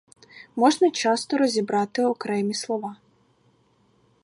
Можна часто розібрати окремі слова.